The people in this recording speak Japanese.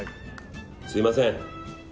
すみません。